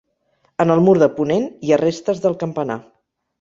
En el mur de ponent hi ha restes del campanar.